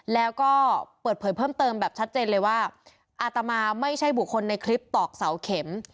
แล้วก็เปิดเผยเพิ่มเติมแบบชัดเจนเลยว่าอาตมาไม่ใช่บุคคลในคลิปตอกเสาเข็ม